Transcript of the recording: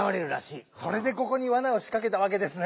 それでここにわなをしかけたわけですね。